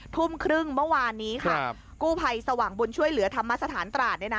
ทุ่มครึ่งเมื่อวานนี้ค่ะกู้ภัยสว่างบุญช่วยเหลือธรรมสถานตราด